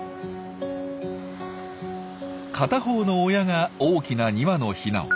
片方の親が大きな２羽のヒナを。